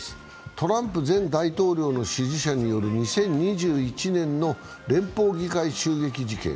トランプ前大統領の支持者による２０２１年の連邦議会襲撃事件。